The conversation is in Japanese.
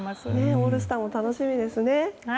オールスターも楽しみですね。